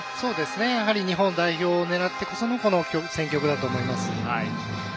やはり日本代表を狙ってこそのこの選曲だと思います。